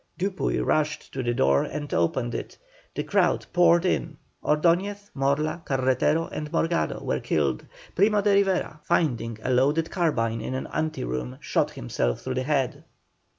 Dupuy rushed to the door and opened it, the crowd poured in. Ordoñez, Morla, Carretero, and Morgado were killed. Primo de Rivera, finding a loaded carbine in an ante room, shot himself through the head.